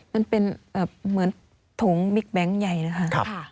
มันเป็นแบบเหมือนถุงมิกแบงค์ใหญ่นะครับ